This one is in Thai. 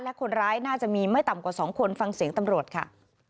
และคนร้ายน่าจะมีไม่ต่ำกว่า๒คนฟังเสียงตำรวจค่ะ